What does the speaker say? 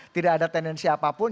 tidak ada tendensi apapun